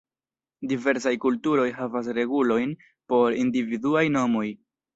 Diversaj kulturoj havas regulojn por individuaj nomoj.